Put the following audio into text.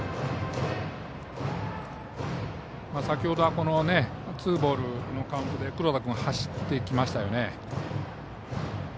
先ほどはツーボールのカウントで黒田君が走ってきましたよね。